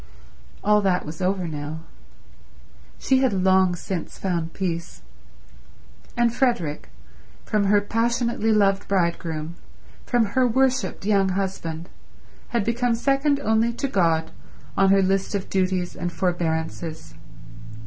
All that was over now. She had long since found peace. And Frederick, from her passionately loved bridegroom, from her worshipped young husband, had become second only to God on her list of duties and forbearances.